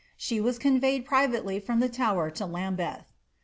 She was conveyed privately from the Tower to Luih beth.